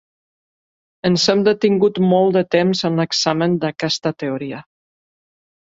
Ens hem detingut molt de temps en l'examen d'aquesta teoria.